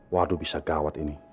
waduh bisa gawat ini